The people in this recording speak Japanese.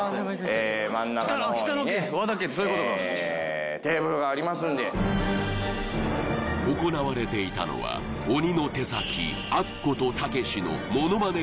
え真ん中の方にねえテーブルがありますんで行われていたのは鬼の手先アッコとたけしのモノマネ